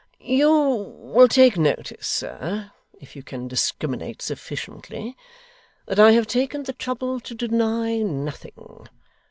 'You will take notice, sir if you can discriminate sufficiently that I have taken the trouble to deny nothing.